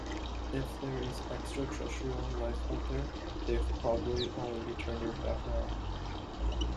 If there is extraterrestrial life out there, they've probably already turned back around.